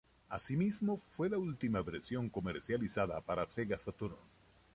Asímismo, fue la última versión comercializada para Sega Saturn.